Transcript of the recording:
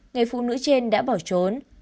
người phụ nữ trên đã bỏ trốn